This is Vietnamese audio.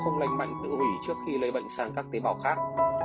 không lành mạnh tự hủy trước khi lây bệnh sang các tế bào khác